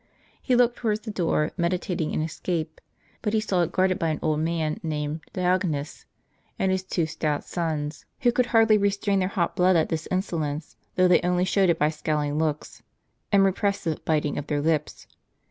He looked towards the door, medi tating an escape; but he saw it guarded by an old man named Diogenes and his two stout sons, Avho could hardly restrain their hot blood at this insolence, though they only showed it by scowling looks, and repressive biting of their lips.